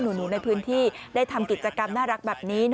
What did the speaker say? หนูในพื้นที่ได้ทำกิจกรรมน่ารักแบบนี้